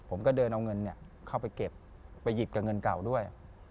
ผมก็เดินเอาเงินเข้าไปเก็บไปหยิกกับเงินเก่าด้วย